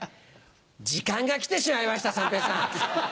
時間が来てしまいました三平さん。